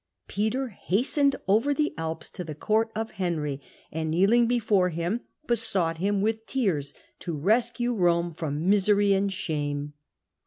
^ Peter hastened over the Alps to the court of Henry, and, kneeling before him, besought him with tears to rescue Bome from misery and shame.